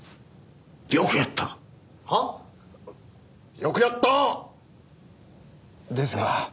よくやった！ですが。